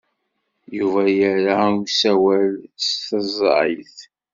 Yuba yerra i usawal s taẓeyt.